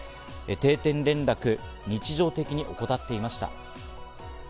定点連絡を日常的に怠っていました。